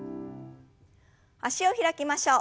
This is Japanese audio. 脚を開きましょう。